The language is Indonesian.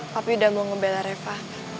pak pi udah mau ngebela reva